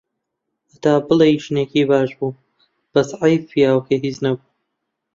هەتا بڵێی ژنێکی باش بوو، بەس حەیف پیاوەکەی هیچ نەبوو.